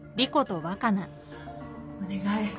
お願い。